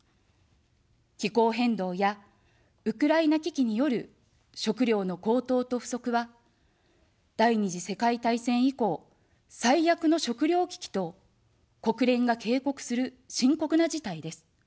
気候変動やウクライナ危機による食糧の高騰と不足は、第二次世界大戦以降、最悪の食糧危機と国連が警告する深刻な事態です。